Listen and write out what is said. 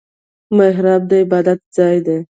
محراب د عبادت ځای دی